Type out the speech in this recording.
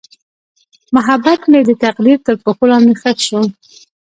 محبت مې د تقدیر تر پښو لاندې ښخ شو.